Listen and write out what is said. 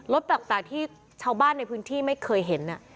แปลกที่ชาวบ้านในพื้นที่ไม่เคยเห็น